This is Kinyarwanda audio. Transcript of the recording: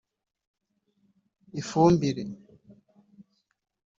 ifumbire